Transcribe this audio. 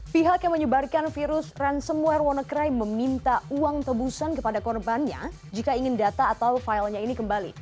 pihak yang menyebarkan virus ransomware wannacry meminta uang tebusan kepada korbannya jika ingin data atau filenya ini kembali